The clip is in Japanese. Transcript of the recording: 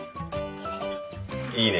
いいね。